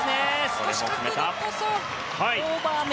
少し角度こそオーバーめ。